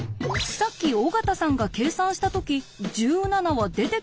さっき尾形さんが計算した時１７は出てきたって？